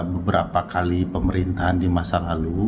beberapa kali pemerintahan di masa lalu